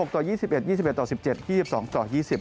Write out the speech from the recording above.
ต่อ๒๑๒๑ต่อ๑๗๒๒ต่อ๒๐